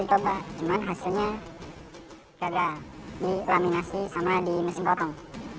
kita coba cuman hasilnya gagal di laminasi sama di mesin potong